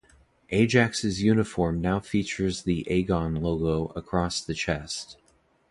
Ajax's uniform now features the Aegon logo across the chest.